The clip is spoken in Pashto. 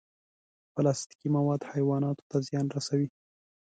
پلاستيکي مواد حیواناتو ته زیان رسوي.